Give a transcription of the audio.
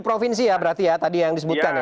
provinsi ya berarti ya tadi yang disebutkan ya